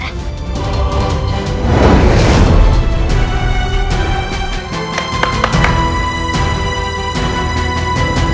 saya akan mencpertimbangkannya